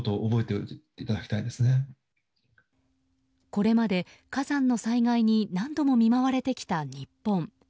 これまで火山の災害に何度も見舞われてきた日本。